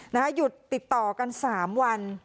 หยุดติดต่อกัน๓วัน